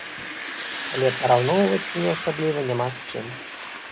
Але параўноўваць мне асабліва няма з чым.